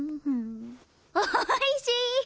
おいしい！